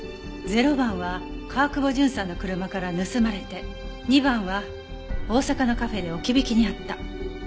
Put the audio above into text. ０番は川久保純さんの車から盗まれて２番は大阪のカフェで置き引きに遭った。